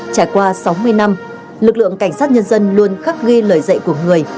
trải qua sáu mươi năm lực lượng cảnh sát nhân dân luôn khắc ghi lời dạy của người